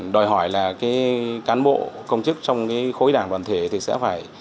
đòi hỏi là cái cán bộ công chức trong cái khối đảng toàn thể thì sẽ phải